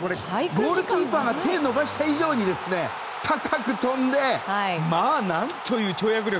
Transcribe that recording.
ゴールキーパーが手を伸ばした以上に高く跳んで、何という跳躍力。